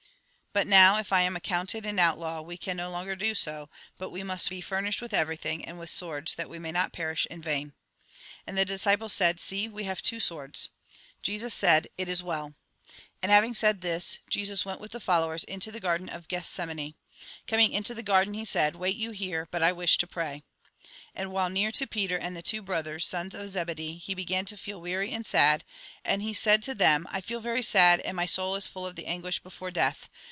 But now, if I am accounted an out law, we can no longer do so, but we must be fur nished with everything, and with swords, that we may not perish in vain." And the disciples said :" See, we have two swords." Jn. xiiL i Mt, xxvi. 33. 34. 35, Lk. xxii. 35. 36. 38. THE WARFARE WITH TEMPTATION 135 Mt. XX^T. Jn. xviiL Mt. xxvi, 37. 38. Jesus said :" It is well." And having said this, Jesus went with the fol lowers into the garden of Gethsemane. Coming into the garden, he said :" Wait you here, but I wish to pray." And while near to Peter and the two brothers, sons of Zebedee, he began to feel weary and sad, and he said to them :" I feel very sad, and my soul is full of the anguish before death.